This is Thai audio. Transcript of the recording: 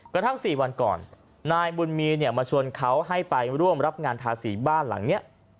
กระทั่ง๔วันก่อนนายบุญมีเนี่ยมาชวนเขาให้ไปร่วมรับงานทาสีบ้านหลังนี้